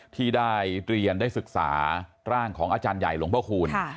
ที่ได้เรียนได้ศึกษาร่างของอาจารย์ใหญ่หลวงพระคูณ